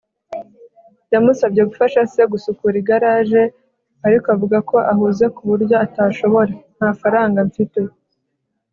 yamusabye gufasha se gusukura igaraje, ariko avuga ko ahuze ku buryo atashobora. nta faranga mfite